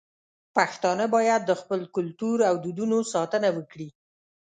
پښتانه بايد د خپل کلتور او دودونو ساتنه وکړي.